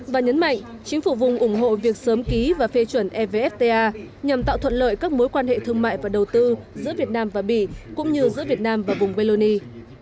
và nhấn mạnh chính phủ vùng ủng hộ việc sớm ký và phê chuẩn evfta nhằm tạo thuận lợi các mối quan hệ thương mại và đầu tư giữa việt nam và bỉ cũng như giữa việt nam và vùng wallonie